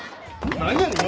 何やねん？